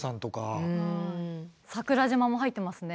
桜島も入ってますね。